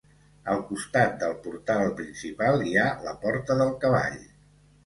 Al costat del portal principal hi ha la porta del cavall.